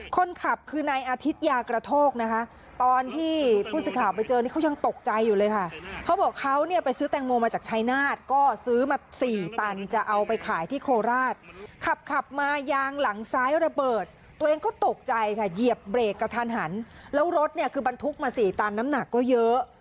คนขับคือนายอาทิตยากระโทกนะคะตอนที่ผู้สื่อข่าวไปเจอนี่เขายังตกใจอยู่เลยค่ะเขาบอกเขาเนี่ยไปซื้อแตงโมมาจากชายนาฏก็ซื้อมาสี่ตันจะเอาไปขายที่โคราชขับขับมายางหลังซ้ายระเบิดตัวเองก็ตกใจค่ะเหยียบเบรกกระทันหันแล้วรถเนี่ยคือบรรทุกมาสี่ตันน้ำหนักก็เยอะ